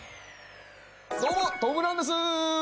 どうもトム・ブラウンです！